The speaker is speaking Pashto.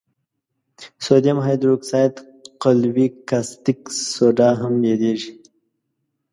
سودیم هایدروکساید قلوي کاستیک سوډا هم یادیږي.